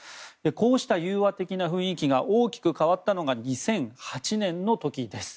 こうした融和的な雰囲気が大きく変わったのが２００８年の時です。